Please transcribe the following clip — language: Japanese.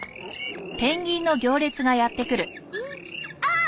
あっ！